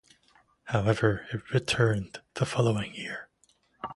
However, it returned the following year.